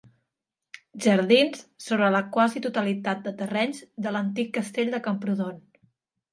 Jardins sobre la quasi totalitat de terrenys de l'antic Castell de Camprodon.